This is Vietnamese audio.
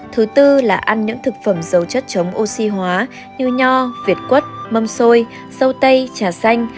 thứ tư là ăn những thực phẩm dầu chất chống oxy hóa như nho việt quất mâm xôi dâu tây trà xanh